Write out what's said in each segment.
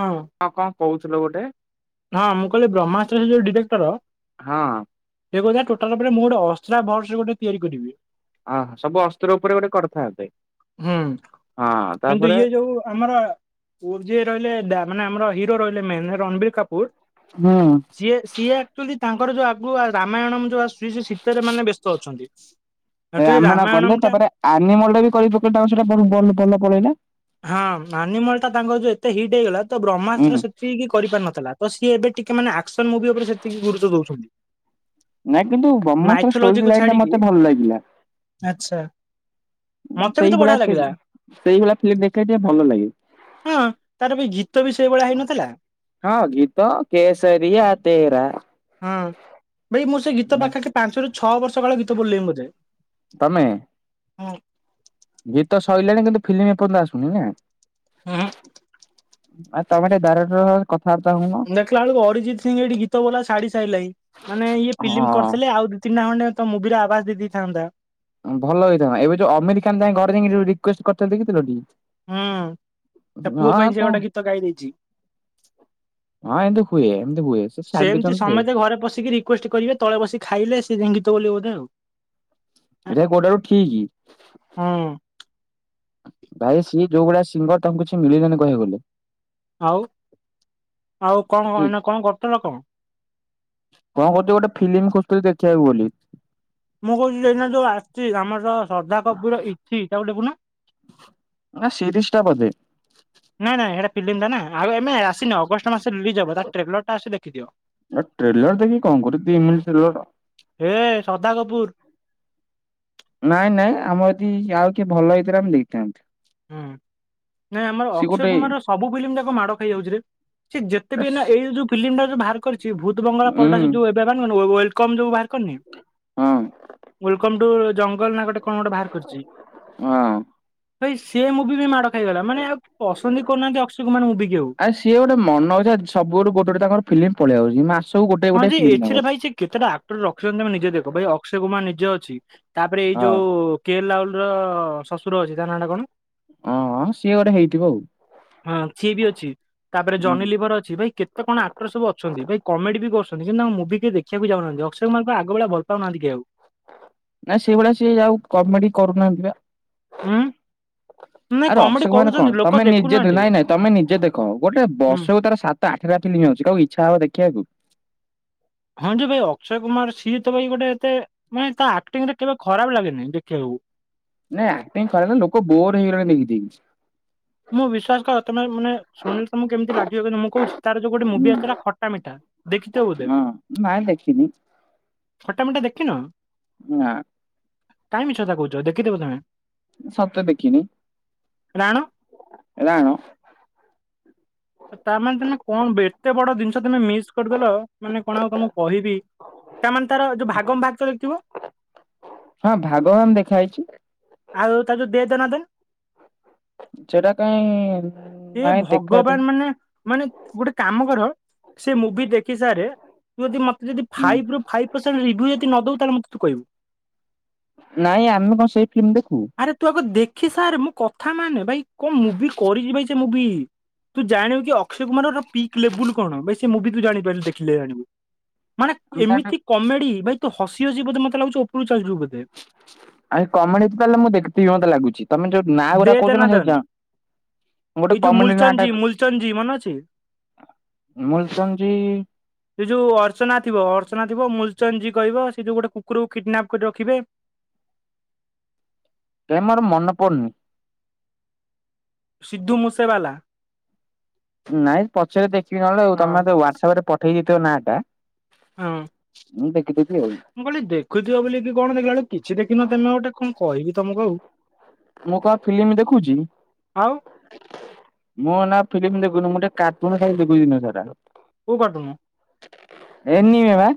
ହଁ। କହୁଥିଲ ଗୋଟେ। ହଁ ମୁଁ କହିଲି ବ୍ରହ୍ମାସ୍ତ୍ର ସେ ଯୋଉ ଡିରେକ୍ଟର। ହଁ ସେ କହୁଥିଲା ଟୋଟାଲ ଉପରେ ମୁଁ ଗୋଟେ ଅସ୍ତ୍ରା ବକ୍ସରେ ଗୋଟେ ତିଆରି କରିବି। ଅ ହ ସବୁ ଅସ୍ତ୍ର ଉପରେ ଗୋଟେ କରିଥାନ୍ତେ। ହୁଁ ହଁ କିନ୍ତୁ ତାପରେ ଇଏ ଯୋଉ ଆମର ଯ ରହିଲେ ମାନେ ଆମର ହିରୋ ରହିଲେ ମେନ୍ ରଣବୀର କାପୁର ହୁଁ ସିଏ ସିଏ ଆକଚୁଲି ତା ଙ୍କର ଯୋଉ ଆଗୁଆ ରାମାୟଣମ ଯୋଉ ଆସୁଛି ସେ ସିଥେରେ ମାନେ ବ୍ୟସ୍ତ ଅଛନ୍ତି। ଆକ୍ଚୁଆଲି ରାମାୟଣ ରାମାୟଣମ କଲେ ଟା ତାପରେ ଆନିମଲ ଟା ବି କରି ପକେଇଲେ ତାଙ୍କର ସେଟା ବହୁ ବଲ ବଲ ଭଲ ପଳେଇଲା। ହଁ ଆନିମଲ ଟା ତାଙ୍କର ଯୋଉ ଏତେ ହିଟ୍ ହେଇଗଲା ତ ହୁଁ ବ୍ରହ୍ମାସ୍ତ୍ର ସେତିକି କରି ପାରି ନଥିଲା ତ ସିଏ ଏବେ। ଟିକେ ମାନେ ଆକ୍ସନ ମୁଭି ଉପରେ ସେତିକି ଗୁରୁତ୍ୱ ଦଉଛନ୍ତି। ନାଇଁ କିନ୍ତୁ ବ୍ରହ୍ମାସ୍ତ୍ର ମାଇଥୋଲୋଜି ଷ୍ଟୋରି କୁ ଲାଇନ ଟା ଛାଡିକି ମତେ ଭଲ ଲାଗିଲା ଆଛା। ସେଇଭଳିଆ ଫିମ୍ ସେଇଭଳିଆ ଫିଲ୍ମ ଦେଖେଲେ ଟିକେ ଭଲ ଲାଗେ। ହଁ ତାର ବି ଗୀତ ବି ସେଇଭଳିଆ ହେଇନଥିଲା ହଁ ଗୀତ କେସରିଆ ତେରା। ହଁ ଭାଇ ମୁଁ ସେ ଗୀତ ପାଖା ପାଖି ପାଞ୍ଚରୁ ଛଅ ବର୍ଷ କାଳ ଗୀତ ବୋଲିଲେଇଁ ବୋଧେ। ତମେ! ହୁଁ ଗୀତ ସଇଲାଣି କିନ୍ତୁ ଫିଲ୍ମ ଏପର୍ଯ୍ୟନ୍ତ ଆସୁନି ନା। ହୁଁ ହୁଁ। ଆଉ ତମେ ଟିକେ ଡାଇରେଟର ସାଙ୍ଗରେ କ ଉଁଦେଖିକ ବେଳକୁ ଅରିଜିତ୍ ସିଂହ ଏଇଠି ଗୀତ ବୋଲା ଛାଡି ସାଇଲାଣି ମାନେ ଇଏ ଫିଲ୍ମ ହଁ କରିଥିଲେ ଆଉ ଦି ତିିନ ଟା ଖଣ୍ଡେ। ତ ମୁଭିିରେ ଆବାଜ ଦେଇ ଦେଇେ ଥାନ୍ତା। ଭଲ ହେଇଥାନ୍ତା ଏବେ ଯୋଉ ଅମିର ଖାନ ଯାଇଁ ଘରେ ଯାଇଁକି ଯୋଉ ରିକୁଏଷ୍ଟ କରିଥିଲେ ଦେଖିଥିଲ ଟି। ହୁଁ ତା ପୁଅ ହଁ ପାଇଁ ସେ କଣ ଗୋଟା ଗୀତ ଗାଇ ଦେଇଛି। ହଁ ଏମତି ହୁଏ। ସେ ଛାଡି ସେମିତି ଦେଇଛନ୍ତି ଯେ ସମେତେ ଘରେ ପଶିକି ରିକୁଏଷ୍ଟ କରିବେ ତଳେ ବସିକି ଖାଇଲେ ସେ ଯାଇଁ ଗୀତ ବୋଲିବେ ବୋଧେ ଆଉ। ଏଠା କୋଉଟାକୁ ଠିକ। ହଁ ଭାଇ ସିଏ ଯୋଉ ଭଳିଆ ସିଙ୍ଗର ତାଙ୍କୁ କିଛି ମିଳିଲାନି କହିବାକୁ ଗଲେ। ଆଉ ଆଉ କଣ ଠିକ୍ ଏଇନା କରୁଥିଲ କଣ। କଣ କରୁଛି ଗୋଟେ ଫିଲ୍ମ ଖୋଜୁଥିଲି ଦେଖିଆକୁ ବୋଲି। ମୁଁ କହୁଛି ଏଇନା ଯୋଉ ଆସିଛି ଆମର ଶ୍ରଦ୍ଧା କପୁର ଇଥି ତାକୁ ଦେଖୁନ। ନା ସିରିଜ ଟା ବୋଧେ। ନାଇ ନାଇ ସେଇଟା ପିଲମ ଟା ନା। ଆଉ ଏମେ ଆସିନି ଅଗଷ୍ଟ ମାସରେ ରିଲିଯ ହବ ତା ଟ୍ରେଲର ଟା ଆସଛି ଦେଖିଦିଅ। ଟ୍ରେଲର ଦେଖିକି କଣ ଦି ମିନିଟ ଟେଲର। ଧା କପୁର। ନାଇଁ ନାଇଁ ଆମର ଯଦି ଆଉ କିଏ ଭଲ ହେଇଥିଲେ ଆମେ ଦେଖୀ ଥାନ୍ତୁ। ହୁଁ। ନାଇଁ ଆମର ଅକ୍ଷୟ ଗୋଟେ କୁମାର ର ସବୁ ଫିଲ୍ମ ଯାକ ମାଡ ଖାଇ ଯାଉଛି ରେ ସେ ଯେତେ ବି ଏନା ଆସ୍- ଏଇ ଯୋଉ ଫିଲମ ଟା। ଭାର କରିଛି ଭୂତ ବଙ୍ଗଲା ହୁଁ ପରଟା ସେ ଯୋଉ ଏବେ ବାହାର କରିନି ୱେଲକମ୍ ଯୋଉ ଭାର କରିନି। ହଁ ୱେଲକମ ଟୁ। ୱେଲ ନା ଗୋଟେ କଣ ଗୋଟେ ଭାର କରିଚି ହଁ ଭାଇ ସେ। ମୁଭି ବି ମାଡ଼ ଖାଇଗଲା ମାନେ ଆଉ କେଇ ପସନ୍ଦ ହି କରୁନାହାନ୍ତି ଅକ୍ଷୟ କୁମାର ମୁଭି କି ଆଉ। କିନ୍ତୁ ତାଙ୍କର ଫିଲ୍ମ ପଳେଇ ଆଉଚି। ହଁ ଯେ ଏଥିରେ ଭାଇ ସେ କେତେଟା ଆକ୍ଟର ରଖିଛନ୍ତି ତମେ ନିଜେ ଦେଖ ଭାଇ ଅକ୍ଷୟ କୁମାର ନିଜେ ଅଛି। ତାପରେ ଏଇ ହଁ ଯୋଉ କେଲ ଲାଉଲ ର ଶଶୁର ଅଛି ତା ନାଟା କଣ। ହଁ ସିଏ ଗୋଟେ ହେଇଥିବ ଆଉ। ହଁ ସିଏ ବି ଅଛି ତାପରେ ହୁଁ ଜନି ଲିଭର ଅଛି ଭାଇ କେତେ କଣ ଆକ୍ଟର ସବୁ ଅଛନ୍ତି ଭାଇ କମେଡି ବି। କରୁଛନ୍ତି କିନ୍ତୁ ତାଙ୍କ ମୁଭିି କେହି ଦେଖିବାକୁ ଯାଉନାହାନ୍ତି ଅକ୍ଷୟ କୁମାର କୁ ଆଗ ଭଳିଆ ଭଲ ପାଉନାହାନ୍ତି କେହି ଆଉ। ନା ସେଇଭଳିଆ ସିଏ ଆଉ କମେଡି କରୁନାହାନ୍ତି ବା। ଉଁ। ଆଉ ଅଶୋକ ମାନେ କଣ ତମେ ନିଜେ ଦେଖୁନାହାନ୍ତି ନାଇଁ ନାଇଁ ତମେ ନିଜେ ଦେଖ। ଗୋଟେ ହୁଁ। ବର୍ଷକୁ ତାର ସାତ ଆଠଟା ଫିଲ୍ମ ହ କୁ ଇଚ୍ଛା ହବ ଦେଖିବାକୁ। ହଁ ଯେ ଭାଇ ଅକ୍ଷୟ କୁମାର ସିଏ ତ ଭାଇ ଗୋଟେ ଏତେ ମାନେ ତା ଆକ୍ଟିଂରେ କେବେ ଖରାପ ଲାଗେନି ଦେଖିବାକୁ। ନାଇ ଆକ୍ଟିଂ ଖରା ଲୋକ ବୋର ହେଇଗଲେଣି ଦେଖିକି। ମୁଁ ବିଶ୍ୱାସ କର ତମେ ମାନେ ଶୁଣିଲେ ତମକୁ କେମିତି ଲାଗିବ। କି ମୁଁ କହୁଛି ତାର ଯୋଉ ଗୋଟେ ହୁଁ ମୁଭି ଆସିଥିଲା ଖଟା ମିଠା। ଦେଖି ଥିବ ବୋଧେ? ହଁ। ନାଇଁ ଦେଖିନି। ଖଟା ମିଠା ଦେଖିନ ନା କାଇଁ ମିଛ କଥା କହୁଛ ଦେଖିଥିବ ତମେ? ସତ୍ୟ ଦେଖିନି ରାଣ ରାଣ। ତା ମାନେ ତମେ କଣ ବେ- ଏତେ ବଡ଼ ଦିନିଷ ତମେ ମିସ୍ କରିଦେଲ ମାନେ କଣ ହଉ ତମକୁ କହିବି। ତା ମାନେ ତାର ଯୋଉ ଭାଗମଭାକ ଦେଖିଥିବ। ହଁ ଭାଗବାନ ଦେଖା ହେଇଛି। ଆଉ ତାକୁ ଦେଦନାଦନ। ସେଟା କାଇଁ ଏ ନାଇଁ ଦେଖା ଭଗବାନ ଦେଖି ମାନେ ମାନେ ଗୋଟେ କାମ କର। ସେ ମୁଭି ଦେଖି ସାରେ। ତୁ ଯଦି ମତେ ଯଦି ହୁଁ, ଫାଇଭ ରୁ ଫାଇଭ ପରସେଣ୍ଟ ରଭୁ ଯଦି ନଦଉ ତାହେଲେ ମତେ ତୁ କହିବୁ। ନାଇଁ ଆମେ କଣ ସେଇ ଫିଲ୍ମ ଦେଖୁ। ଖି ସାର୍ ମୋ କଥା ମାନେ ଭାଇ କଣ ମୁଭି କରିଚି ଭାଇ। ମୁଭି ତୁ ଜାଣିବୁ କି ଅକ୍ଷୟ କୁମାରର ପିକ୍ ଲେବୁଲ କଣ ବେଶୀ ମୁ ବି ତୁ ଜାଣିପାରିନୁ ଦେଖିଲେ ଜାଣିବୁ? ମାନେ ଆମେ ତାଠୁ ଏମିତି କମେଡି ଭାଇ ତୁ ହସି ହସି ବୋଧେ ମତେ ଲାଗୁଚି। ଓପ ଆଉ କମେଡି ତାହେଲେ ମୁଁ ଦେଖିଥିବି ମତେ ଲାଗୁଚି। ତମେ ଯୋଉ ନା ଦେ ଉରା କହୁଛ ଦନା ନା ସେ ଦନ ଜ ଏଇ ଯୋଉ ମୁଲଚଙ୍ଜି ମୁଲଚଙ୍ଜି ମନେ ଅଛି। ମୁଲଚନ୍ଦୀ ସେ ଯୋଉ ଅର୍ଚ୍ଚନା ଥିବ ଅର୍ଚ୍ଚନା ଥିବ। ମୁ ଜି କହିବ ସେ ଯୋଉ ଗୋଟେ କୁକୁରକୁ କିଡନାପ କରି ରଖିବେ। ସେ ମୋର ମନେ ପଡ଼ୁନି। ସିଦ୍ଧୁ ମୁସେବାଲା। ନାଇଁ ପଛରେ ଦେଖିବି। ନହେଲେ ଆଉ ତମେ ହଁ। ତ ହୁଆଟସଅପ ରେ ପଠେଇ ଦେଇଥିବ ନା ଟା। ହଁ। ମୁଁ ଦେଖିଦେବି ଆଉ। ମୁଁ କହିଲି ଦେଖୁଥିବ କି କଣ ଦେଖିଲା ବଳକୁ କିଛି ଦେଖିନ। ତମେ ଗୋଟେ କଣ କହିବି ତମକୁ ଆଉ। ମୁଁ କଣ ଫିଲ୍ମ ଦେଖୁଚି। ଆଉ ମୁଁ ନା ଫିଲ୍ମ ଦେଖୁନି ମୁଁ ଟିକେ କାର୍ଟୁନ ଖାଲି ଦେଖୁଚି ଦିନସାରା। କଉ କାର୍ଟୁନ୍? ଏନିମିଆ ବା।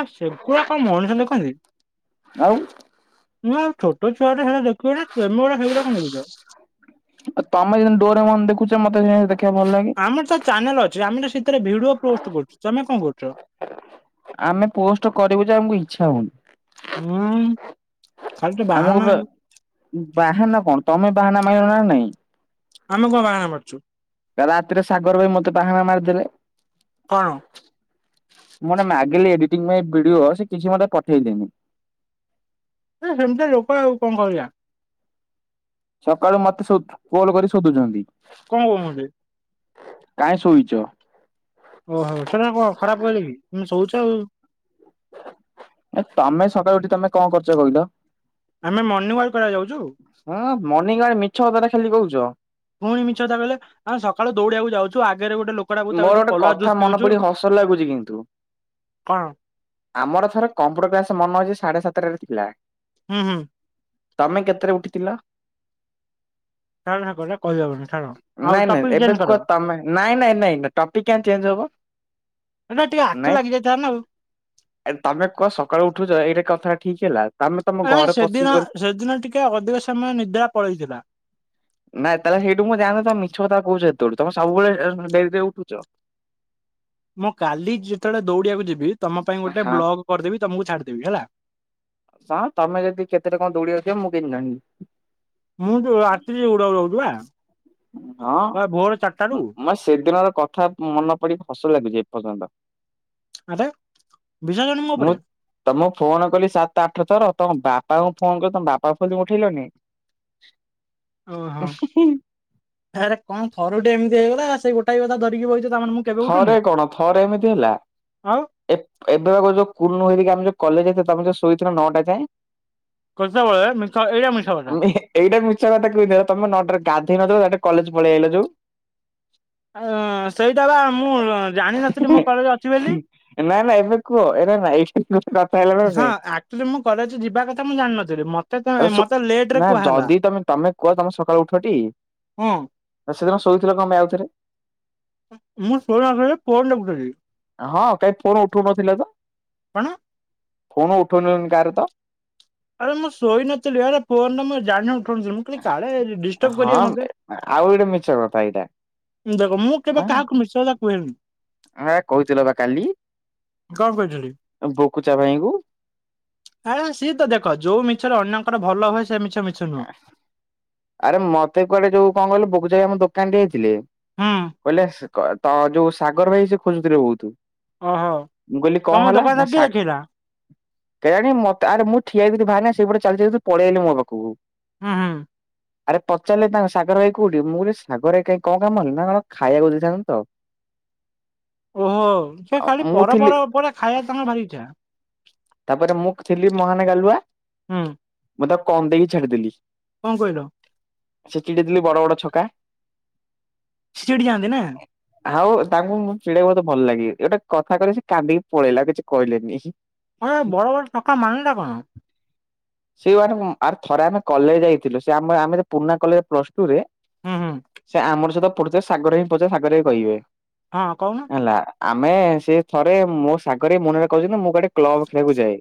ଆ ସେଗୁଡା କଣ ମଣିଷ ଦେଖନ୍ତି। ଆଉ ତୁ ଆଉ ଛୋଟ ଛୁଆ ଟେ ହେରା ଦେଖୁ ହେଉଡା ପେମ ଉଡା ହେଉଡା କଣ ଦେଖୁଚ? ତମେ ଯେମିତି ଡୋରେମନ ଦେଖୁଛ ମତେ ସେମିତି ଦେଖିବାକୁ ଭଲ ଲାଗେ। ଆମର ତ ଚାନେଲ ଅଛି ଆମେ ସେଥିରେ ଭିଡିଓ ପୋଷ୍ଟ କରୁଛୁ। ତମେ କଣ କରୁଛ? ଆମେ ପୋଷ୍ଟ କରିବୁ ଯେ ଆମକୁ ଇଛା ହଉନି। ହୁଁ ଖାଲି ତ ଆମକୁ ବାହାନା ବା ଆଉ। ବାହାନା କଣ ତମେ ବାହାନା ମାରିଲ ନା ନାଇଁ। ଆମେ କଣ ବାହାନା ମାରୁୁଛୁ? ରାତିରେ ସାଗର ଭାଇ ମତେ ବାହାନା ମାରିଦେଲେ। କଣ? ମୁଁ ଗୋଟେ ମାଗିଲି ଏଡିଟିଂ ପାଇଁ ଭିଡିଓ ସେ କିଛି ମତେ ପଠେଇଲେଣି। ହେ ହେମିତିଆ ଲୋକ ଆଉ କଣ କରିବା? ସକାଳୁ ମତେ ସୋ ଫୋନ୍ କରି ଶୋଧୁଛନ୍ତି। କଣ କହୁଛନ୍ତି? କାଇଁ ଶୋଇଛ? ଓହୋ ଚ କଣ ଖରାପ କହିଲେ କି ତମେ ଶୋଉଛ ଆଉ। ତମେ ସକାଳୁ ଉଠି ତମେ କଣ କରୁଛ କହିଲ? ଆମେ ମର୍ଣ୍ଣିଂ ୱାକ୍ କରିବାକୁ ଯାଉଛୁ। ହଁ ମନିଙ୍ଗ ଆଡେ ମିଛ କଥାଟା ଖାଲି କହୁଛ। ପୁଣି ମିଛ କଥା କହିଲେ ଆମେ ସକାଳୁ ଦୌଡିବାକୁ ଯାଉଛୁ। ଆଗରେ ଗୋଟେ ଲୋକଟା ତା ମୋର କତିରୁ ଗୋଟେ କଲରା କଥା ଜୁସ୍ ମନେ ପିଉଛୁ ପଡି ହସ ଲାଗୁଛି କିନ୍ତୁ କଣ ଆମର ଥରେ କମ୍ପ୍ୟୁଟର କ୍ଲାସ ମନେ ଅଛି ସାଢେ ସାତଟାରେ ଥିଲା। ହୁଁ ହୁଁ। ତମେ କେତେରେ ଉଠିଥିଲ? ଛାଡ ସେ କଥା କହିହବନି ଛାଡ ଆଉ ନାଇଁ ନାଇଁ ଟପିକ୍ ଏବେ ଚେଞ୍ଜ କୁହ କର ତମେ ନାଇଁ ନାଇଁ ନାଇଁ। ଟପିକ୍ କାଇଁ ଚେଞ୍ଜ ହବ? ଏଟା ଟିକେ ଆଖି ନାଇଁ ଲାଗି ଯାଇଥିଲା ନା ଆଉ। ଏ ତମେ କୁହ ସକାଳୁ ଉଠୁଛ ଏଇଟା କଥା ଠିକ ହେଲା। ତମେ ତମ ଆ ଘରେ ପଶିକି ସେଦିନ ଗଲ ସେଦିନ ଟିକେ ଅଧିକ ସମୟ ନିଦ୍ରା ପଳେଇଥିଲା। ନାଇଁ ତାହେଲେ ହେଇଠୁ ମୁଁ ଜାଣେ ତମେ ମିଛ କଥା କହୁଛ ହେତେଲୁ ତମେ ସବୁବେଳେ ଡରିରେ ଉଠୁଛ। [inaudible] ମୁଁ କାଲି ଯେତେବେଳେ ଦୌଡିିବାକୁ ଯିବି ତମ ପାଇଁ ଗୋଟେ ହଁ ବ୍ଲଗ କରିଦେବି ତମକୁ ଛାଡିଦେବି ହେଲା। ହ ତମେ ଯଦି କେତେରେ କଣ ଦୌଡିବାକୁ ଯିବ ମୁଁ କେମିତି ଜାଣିବି। ମୁଁ ଯୋଉ ରାତିରେ ଦୌଡୁଛି ବା ଭୋର ଚାରିଟାରୁ ହଁ ମେ ସେଦିନର କଥା ମନ ପଡି ହସ ଲାଗୁଛି ଏପର୍ଯ୍ୟନ୍ତ ଆରେ ବିଶ୍ୱାସ କରୁନୁ ମୋ ମୁଁ ଉପରେ ତମକୁ ଫୋନ କଲି ସାତ ଆଠ ଥର ତମ ବାପାଙ୍କୁ ଫୋନ କ ତମ ବାପା ଫୋନ୍ ଉଠେଇଲନି। ଓହୋ ହେଁ ହେଁ। ଆରେ କଣ ଥରୁ ଟେ ଏମିତି ହେଇଗଲା ସେଇ ଗୋଟାଏ କଥା ଧରି ଥରେ କଣ ଥରେ ଏମିତି ହେଲା ଆଉ ଏବେ ଏବେ ଯୋଉ କୁନୁ ହେରିକା ଯୋ କଲେଜ ତମେ ଶୋଇଥିଲ ନଅଟା ଯାଏ। କେତେବେଳେ ମିଛ ଏଇଟା ମିଛ କଥା। ଆ ଏଇଟା ମିଛ କଥା କହିଥିଲ ତମେ ନଟାରେ ଗା ଏଇନ ଯୋଉ ଏବେ କଲେଜ ପଳେଇ ଆଇଲ ଯୋଉ। [unintelligible] ସେଇଟା ବା ମୁଁ ଉ ଜାଣିନଥିଲି ମୋ କଲେଜ ଅଛି ବୋଲି। ନା ନା ଏବେ କୁହ ଏ ନା ଏଇଠି ଗୋଟେ କଥା ହେଲା ନା ହଁ ସ ନାଇଁ ଆକ୍ଚୁଲି ମୁଁ କଲେଜ ଯିବା କଥା ମୁଁ ଜାଣିନଥିଲି ମତେ ଏବେ ଶୁ ମତେ ଲେଟ ରେ ନା କୁହାହେଲା। ଯଦି ତମେ ତମେ କୁହ ତମ ସକାଳୁ ଉଠଟି? ହଁ। ସେଦିନ ଶୋଇଥିଲ କନ୍ ପାଇଁ ଆଉଥରେ‌‌? ମୁଁ [unintelligible] ମାସରେ ଫୋନ୍ ଦେଖୁଥିଲି। ହଁ କାଇ ଫୋନ ଉଠୁ ନଥିଲ ତ। କଣ ଫୋନ ଉଠଉ ନଥିଲ କାର ତ? ଆରେ ମୁଁ ଶୋଇ ନଥିଲି ଆରେ ଫୋନରେ ମୁଁ ଜାଣି ଉଠଉ ନଥିଲି କାଳେ ଡିଷ୍ଟପ ହଁ କରିବେ ମତେ। ଆଉ ଗୋଟେ ମିଛ କଥା ଏଇଟା। ଦେଖ ମୁଁ କେବେ କାହାକୁ ମିଛ କଥା କୁହେନି। ଆ କହୁଥିଲ ବା କାଲି କଣ କହିଥିଲି? ବକୁଚା ଭାଇଙ୍କୁ। ଆ ସିଏ ତ ଦେଖ ଯୋଉ ମିଛରେ ଅନ୍ୟଙ୍କର ଭଲ ହୁଏ। ସେ ମିଛ ମିଛ ନୁହଁ। ଆରେ ମତେ କୁଆଡେ ଯୋଉ କଣ କହିଲ ବୁକୁଚୁ ଭାଇ ଆମ ଦୋକାନଠି ହେଇଥିଲେ ହୁଁ କହିଲେସ ତ ଟ ଯୋଉ ସାଗର ଭାଇକି ସେ ଖୋଜୁଥିଲେ ବହୁତ। ଓହୋ ମୁଁ କହିଲି କଣ ତମ ହେଲା ଦୋକାନ ନା କିଏ ସା ଦେଖେଇଲା କେଜାଣ ମତେ ଆରେ ମୁଁ ଠିଆ ଭାଇନା ସେଇଟ ଚାଲି ପଳେଇଆଲେ ମୋ ପାଖକୁ ହୁଁ ହୁଁ। ଆରେ ପଚାରିଲେ ତାଙ୍କ ସାଗର ହୋଇ କୋଉଠି ମୁଁ କହିଲି ସାଗର ଭାହଇ କାଇଁ କଣ କାମ କି ନା କଣ ଖାଇବାକୁ ଦେଇଥାନ୍ତ ତ [inaudible] ଓହୋ ସେ ଖାଲି ମୁଁ ଥିଲି ପରପର ଉପରେ ଖାଇବା ତାଙ୍କ ଭାରି ଇଚ୍ଛା। ତାପରେ ମୁଁ ଥିଲି ମହାନେ ଗାଲୁଆ ହୁଁ। ମୁଁ ତା କମ ଦେଇକି ଛାଡିଦେଲି। କଣ କହିଲ? ସେ ଚିଡେଇଥିଲି ବଡ ବଡ ଛକା ସେ ଚିଡ଼ି ଯାନ୍ତି ନା। ଆଉ ତାଙ୍କୁ ମୁଁ ଚିଡିବାକୁ ବହୁତ ଭଲ ଲାଗେ ଗୋଟେ କଥା କହ ସେ କାନ୍ଦିକି ପଳେଇଲା ଆଉ କିଛି କହିଲେନି ହିଁ। ଆ ବଡ ବଡ଼ ଛକା ମାନେ ଟା କଣ? ସେମାନୋନେ ଆ ଥରେ ଆମେ କଲେଜ ଯାଇଥିଲୁ ସେ ଆମ ଆମେ ପୁରୁଣା କଲେଜ ପ୍ଲସ ଟୁ ରେ ହୁଁ ହୁଁ ସେ ଆମର ସହିତ ପୁଢ଼ୁ ସାଗର ହିଁ ପଚାର ସାଗର ଭାଇ କହିବେ ହଁ କହୁନ ହେଲା ଆମେ ସେ ଥରେ ମୋ ସାଗରେ ମୁନରେ କହିଚନ୍ତି ମୁଁ କାଳେ କ୍ଲବ ଖେଳିବାକୁ ଯାଏ।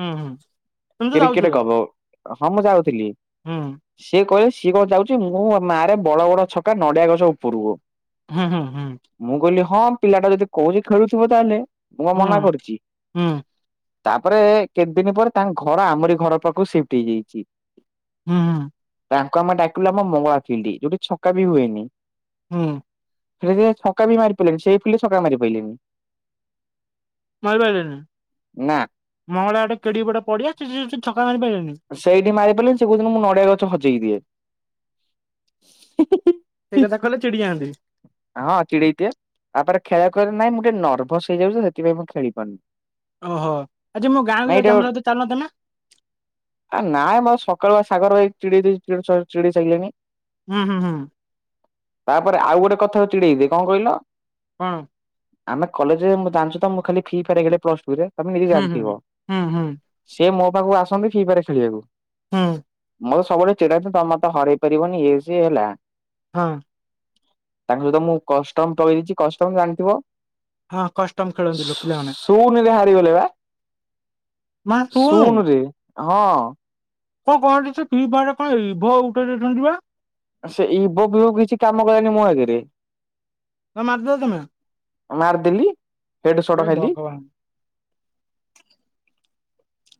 ହୁଁ ହୁଁ ତୁମ ତ କ୍ରିକେଟ ଯାଉଥିଲ କବ ହଁ ମୁଁ ଯାଉଥିଲି ହୁଁ ସିଏ କହିଲ ସିଏ କଣ ଯାଉଛି ମୁଁ ନାଁ ରେ ବଡ ବଡ ଛକା ନଡିଆ ଗଛ ଉପୁରକୁ ହୁଁ ହୁଁ ମୁଁ କହିଲି ହଁ ପିଲା ଟା ଯଦି କୋହୁଚି ଖେଳୁଥିବ ତାହେଲେ ମୁଁ କଣ ହୁଁ ମନା କରୁଛି। ହୁଁ। ତାପରେ କେତେ ଦିନ ପରେ ତାଙ୍କ ଘର ଆମରି ଘର ପାଖକୁ ସିଫ୍ଟ ହେଇଯାଇଚି। ହୁଁ ହୁଁ। ତାଙ୍କୁ ଆମେ ଡାକିଲୁ ଆମ ମଙ୍ଗଳା ଫିଲ୍ଡି ଯୋଉଠି ଛକା ବି ହୁଏନି। ହୁଁ। ସେଠି ଦିଇଟା ଛଙ୍କା ବି ମାରି ପିଲଣିି ସେଇ ଫିଲ୍ଡରେ ଛକା ମାରି ପାରିଲେନି। ମାରିପାରିଲେନି ମଙ୍ଗଳା ହାଟ କେଡି ଗୋଟେ ପଡିଆ କିଛି କିଛି ଛକା ମାରି ପାରିଲେନି। ସେଇଠି ମାରି ପାରିଲି ସେ କୋହୁଚନ୍ତି ମୁଁ ନଡିଆ ଗଛ ହଜେଇ ଦିଏ। ହିଁ ସେଇ ହିଁ କଥା କହିଲେ ଚିଡି ଯାଆନ୍ତି ହଁ ଚିଡେଇ ଦିଏ ତାପରେ ଖେଳ କହିଲେ ନାଇଁ ମୁଁ ଟିକେ ନର୍ଭସ ହେଇଯାଉଚି ତ ସେଥିପାଇଁ ମୁଁ ଖେଳି ପାରୁନି। ଓହୋ ଆଜି ମୁଁ ଗାଁକୁ ଯାଉଚି ଆମ ସହିତ ଚାଲୁନ ତମେ ଆ ନାଇଁ ମୋର ସକାଳୁ ବା ସାଗର ଭ ଚିଡି ଦେଇ ଚିଡି ସାଇଲିଣି ହୁଁ ହୁଁ ହୁଁ। ତାପରେ ଆଉ ଗୋଟେ କଥାକୁ ଚିଡେଇବେ କଣ କହିଲ। କଣ? ଆମେ କଲେଜରେ ମୁଁ ଜାଣିଛୁ ତ ମୁଁ ଖାଲି ଫି ଫାୟାଡ ଖେଳେ ପ୍ଲସଟୁ ରେ ତମେ ନିଜେ ହୁଁ ହୁଁ ଜାଗିଥିବ ହୁଁ ହୁଁ ସିଏ ମୋ ପାଖକୁ ଆସନ୍ତି ଫ୍ରିଫାୟାର ଖେଳିବାକୁ। ହୁଁ। ମୋତ ସବୁବେଳେ ଚିଡ଼ାନ୍ତି ତମେ ମତେ ହରେଇ ପାରିବନି ଇଏ ସିଏ ହେଲା। ହଁ। ତାଙ୍କ ସହିତ ମୁଁ କଷ୍ଟମ ପକେଦେଇେଚି କଷ୍ଟମ ଜାଣିଥିବ। ହଁ କଷ୍ଟମ ଖେଳନ୍ତି ଲୋ ପିଲାମନେ ଗଲେ ବା ମା ଶୁଣୁ ଶୂନ ରେ ହଁ। କଣ କହନ୍ତି। ସେ ଫ୍ରିଫାୟାରରେ କଣ ରିଭ ଉଠେଇ ଦେଇଚନ୍ତି ପା ସେଇ ବବଲୁ କିଛି କାମ କଲାନି ମୋ ଆଗେରେ। ହଁ ମାରଦିଅ ତମେ। ମାର ଦିଲି। ହେ ଭଗବାନ।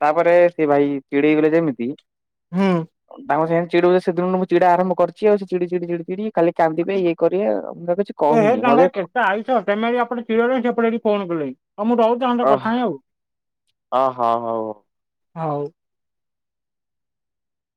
ତାପରେ ସେ ଭାଇ ଚିଡିଗଲେ ଯେମିତି ହୁଁ। ତାଙ୍କୁ ସେନ [unintelligible] ସେଦିନରୁ ମୁଁ ଚିଡା ଆରମ୍ଭ କରିଚି ଆଉ ସେ ଚିଡି ଚିଡି ଚିଡି ଚିଡି ଚିଡି ଏହେ କହୁନି ମତେ ତାଙ୍କର କେତେ ଆଇଶ ତମେ ଏପଟେ ଚିଡ଼ଉଛ ସେପଟେ ସେ ଫୋନ କଲେଇ ହଉ ମୁଁ ରହୁଛି ତାଙ୍କ ସହ ଅହ କଥା ହଇ ଆଉ ଅ ହଉ ହଉ ହଉ। ହଉ।